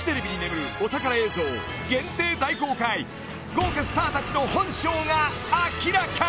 ［豪華スターたちの本性が明らかに］